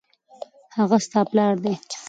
هغه ستا پلار دی